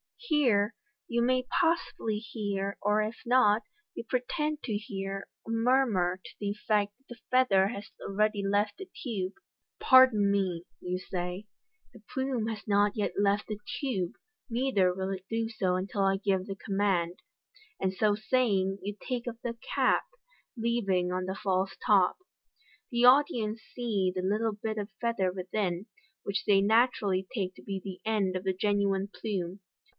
Here you may possibly hear, or if not, you pretend to hear, a murmur to the effect that the feather has already left the tube. " Pardon me," you say, " the plume has not yet left the tube, neither will it do so until I give the command," and so saying, you take off the cap, leaving on the false top. The audi ence see the little bit of feather within, which they naturally take to be the end of the genuine plume.